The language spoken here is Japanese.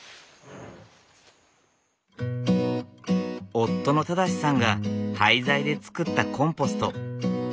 夫の正さんが廃材で作ったコンポスト。